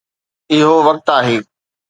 اهو وقت آهي.